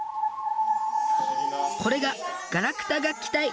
これがガラクタ楽器隊！